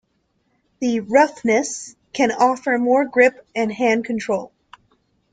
The roughness can offer more grip and hand control.